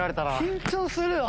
緊張するわ。